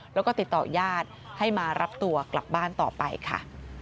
แล้วก็ติดต่อญาติให้มารับตัวกลับบ้านต่อไปค่ะ